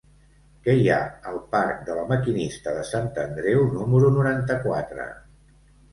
Què hi ha al parc de La Maquinista de Sant Andreu número noranta-quatre?